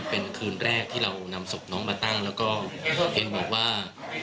เป็นคืนแรกที่เรานำศพน้องมาตั้งแล้วก็เห็นบอกว่า